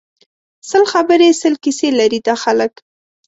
سل خبری سل کیسی لري دا خلک